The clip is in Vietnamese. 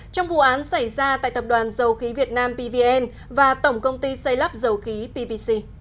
trong vụ án xảy ra tại tập đoàn dầu khí việt nam pvn và tổng công ty xây lắp dầu khí pvc